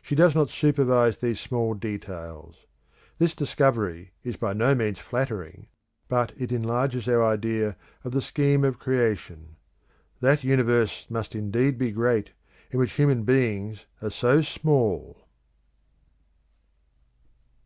She does not supervise these small details. This discovery is by no means flattering, but it enlarges our idea of the scheme of creation. That universe must indeed be great in which human beings are so small!